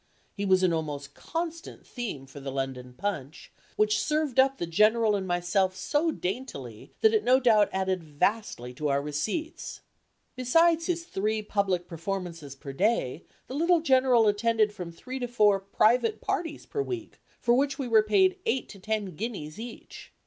He was an almost constant theme for the London Punch, which served up the General and myself so daintily that it no doubt added vastly to our receipts. Besides his three public performances per day, the little General attended from three to four private parties per week, for which we were paid eight to ten guineas each.